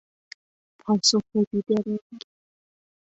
پاسخ بی درنگ